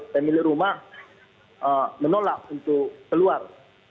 pemilik rumah menolak untuk keluar